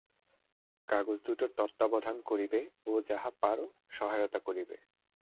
কাগজ দুটোর তত্ত্বাবধান করিবে ও যাহা পার সহায়তা করিবে।